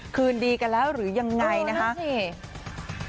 คืนดีกันแล้วหรือยังไงนะคะ